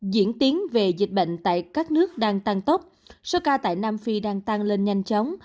diễn tiến về dịch bệnh tại các nước đang tăng tốc số ca tại nam phi đang tăng lên nhanh chóng